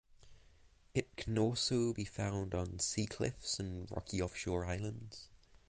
It can also be found on sea cliffs and rocky offshore islands.